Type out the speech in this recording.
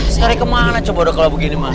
sari kemana coba udah kalau begini ma